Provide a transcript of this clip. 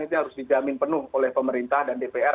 ini harus dijamin penuh oleh pemerintah dan dprd